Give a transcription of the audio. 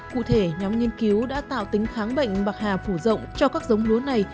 cụ thể nhóm nghiên cứu đã tạo tính kháng bệnh bạc hà phủ rộng cho các giống lúa này